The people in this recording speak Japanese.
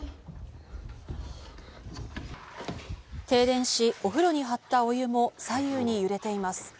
停電し、お風呂にはったお湯も左右に揺れています。